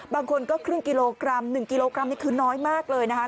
บางคนก็ครึ่งกิโลกรัม๑กิโลกรัมนี่คือน้อยมากเลยนะคะ